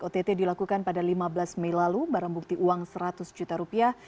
ott dilakukan pada lima belas mei lalu barang bukti uang seratus juta rupiah